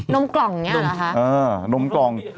นมกล่องเนี่ยหรอฮะ